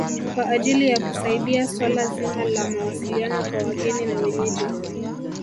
Kwa ajili ya kusaidia suala zima la mawasiliano kwa wageni na wenyeji